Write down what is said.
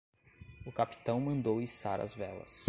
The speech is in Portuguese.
O capitão mandou içar as velas.